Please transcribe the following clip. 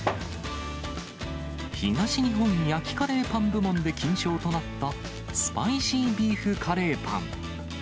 東日本焼きカレーパン部門で金賞となった、スパイシービーフカレーパン。